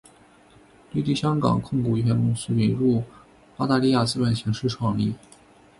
绿地香港控股有限公司引入澳大利亚资本形式创立。